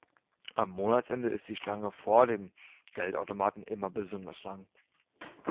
Am Monatsende ist die Schlange vor dem Geldautomaten immer besonders lang.